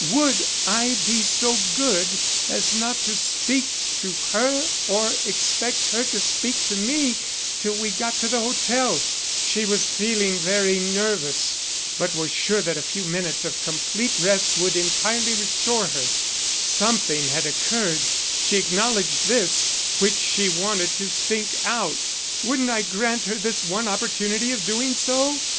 Would I be so good as not to speak to her or expect her to speak to me till we got to the hotel; she was feeling very nervous but was sure that a few minutes of complete rest would entirely restore her; something had occurred (she acknowledged this) which she wanted to think out; wouldn't I grant her this one opportunity of doing so?